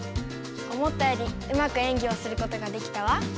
思ったよりうまく演技をすることができたわ。